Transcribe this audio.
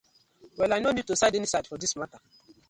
Well I no need to side any side for dis matta.